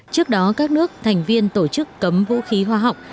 trước đó các nước thành viên tổ chức cấm vũ khí hóa học